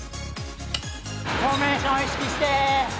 フォーメーション意識して！